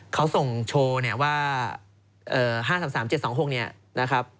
เขาส่งโชว์เนี่ยว่า๕๓๓๗๒๖เนี่ยนะครับ